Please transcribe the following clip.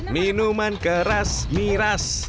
minuman keras miras